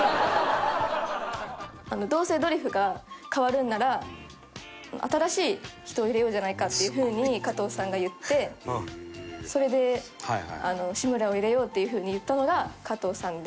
どうせドリフが変わるなら新しい人を入れようじゃないかっていう風に加藤さんが言ってそれで志村を入れようという風に言ったのが加藤さんで。